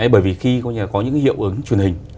bởi vì khi có những hiệu ứng truyền hình